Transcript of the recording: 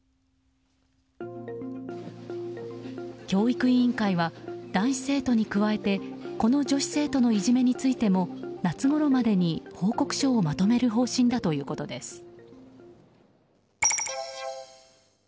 教育委員会は男子生徒に加えてこの女子生徒のいじめについても夏ごろまでに報告書をまとめる方針だということです。